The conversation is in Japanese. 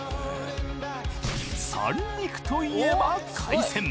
三陸といえば海鮮！